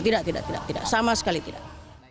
tidak tidak tidak sama sekali tidak